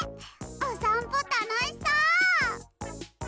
おさんぽたのしそう！